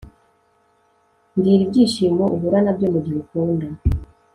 mbwira ibyishimo uhura nabyo mugihe ukunda